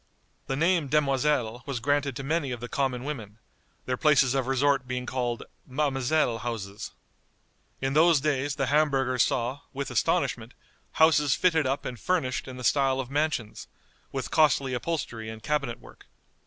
The name demoiselle was granted to many of the common women, their places of resort being called "Ma'amselle houses." In those days the Hamburgers saw, with astonishment, houses fitted up and furnished in the style of mansions, with costly upholstery and cabinet work.